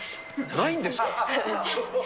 ないんですか。